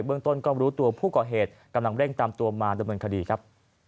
เรื่องต้นก็รู้ตัวผู้ก่อเหตุกำลังเร่งตามตัวมาดำเนินคดีครับ